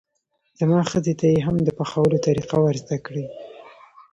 زما ښځې ته یې هم د پخولو طریقه ور زده کړئ.